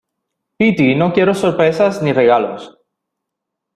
piti, no quiero sorpresas ni regalos